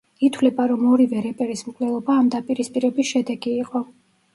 ითვლება, რომ ორივე რეპერის მკვლელობა ამ დაპირისპირების შედეგი იყო.